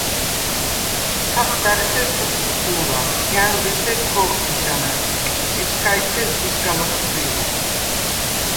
საყდა̈რ ესერ ჩოთტუფუ̄რახ, გა̈ნზ ესერ ქო̄ხბიშა მა̈გ, ეჩქა ესერ ჯი სგა ლოხცვი̄რახ.